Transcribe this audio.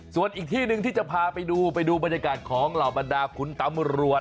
ส่วนอีกที่หนึ่งที่จะพาไปดูไปดูบรรยากาศของเหล่าบรรดาคุณตำรวจ